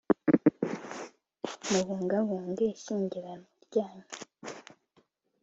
mubungabunge ishyingiranwa ryanyu